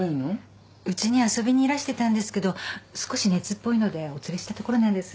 うちに遊びにいらしてたんですけど少し熱っぽいのでお連れしたところなんです。